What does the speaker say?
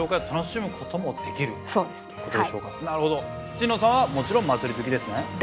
陳野さんはもちろん祭り好きですね？